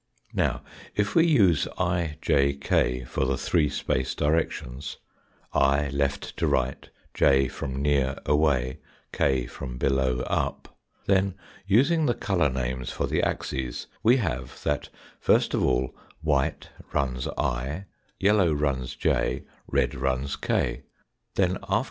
Now if we use i, j, k, for the three space directions, i left to right, j from near away, k from below up ; then, using the colour names for the axes, we have that first of all white runs i, yellow runs j, red runs k ; then after Null y * Null Wfcite NuIJ ^Yellow Fig. 89.